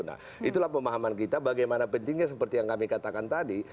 nah itulah pemahaman kita bagaimana pentingnya seperti yang kami katakan tadi